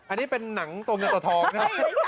อันนี้เป็นหนังตัวเงินตัวทองนะ